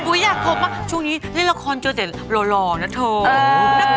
อุ๊ยอยากพบว่าช่วงนี้เล่นละครโจรเดชหล่อนะเถอะ